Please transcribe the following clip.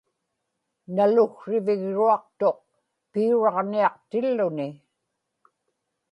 naluksrivigruaqtuq piuraġniaqtilluni